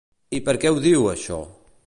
I per què ho diu, això?